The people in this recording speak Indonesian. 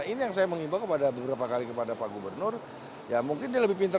ini yang saya mengimbau kepada beberapa kali kepada pak gubernur ya mungkin dia lebih pintar